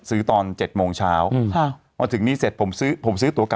ซื้อตอน๗โมงเช้า